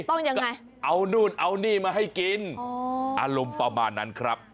ต้องยังไงเอานู่นเอานี่มาให้กินอารมณ์ประมาณนั้นครับ